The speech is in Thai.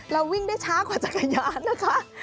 เราวิ่งได้ช้ากว่าจักรยานนะคะ